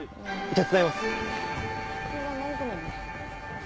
手伝います。